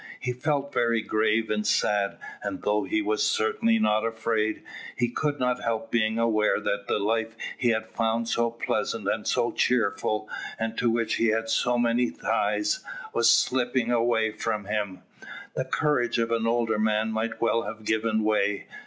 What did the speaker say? He felt very grave and sad, and though he was certainly not afraid, he could not help being aware that the life he had found so pleasant and so cheerful, and to which he had so many ties, was slipping away from him. The courage of an older man might well have given way.